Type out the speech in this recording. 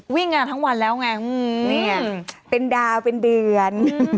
วิ่งงานทั้งวันแล้วไงนี่ไงเป็นดาวเป็นเดือน